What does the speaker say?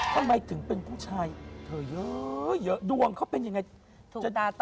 ทำไมถึงเป็นผู้ชายเธอเยอะ